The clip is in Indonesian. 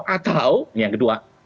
atau ini yang kedua